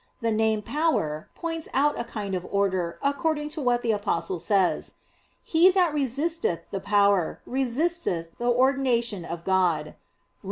The name "Power" points out a kind of order, according to what the Apostle says, "He that resisteth the power, resisteth the ordination of God" (Rom.